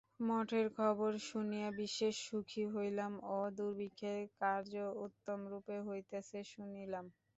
মঠের খবর শুনিয়া বিশেষ সুখী হইলাম ও দুর্ভিক্ষের কার্য উত্তমরূপে হইতেছে শুনিলাম।